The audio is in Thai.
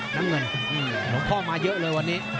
น้ำเงินหลวงพ่อมาเยอะเลยวันนี้